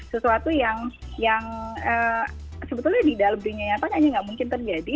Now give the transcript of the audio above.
sesuatu yang sebetulnya tidak lebih nyayang kan hanya nggak mungkin terjadi